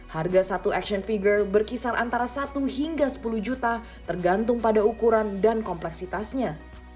harga satu action figure berkisar antara satu hingga sepuluh juta tergantung pada ukuran dan kompleksitasnya